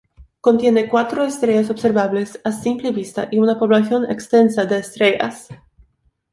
Contiene cuatro estrellas observables a simple vista y una población extensa de estrellas.